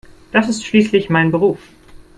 Das ist schließlich mein Beruf.